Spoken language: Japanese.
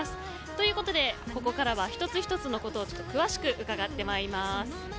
ということでここからは一つ一つのことを詳しくうかがってまいります。